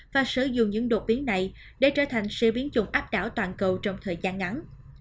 và sử dụng những đột biến này để trở thành xe biến chủng áp đảo toàn cầu trong thời gian ngắn